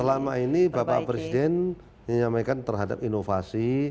selama ini bapak presiden menyampaikan terhadap inovasi